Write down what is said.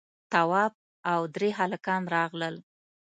تواب او درې هلکان راغلل.